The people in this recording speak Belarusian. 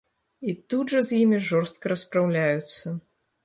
І тут жа з імі жорстка распраўляюцца.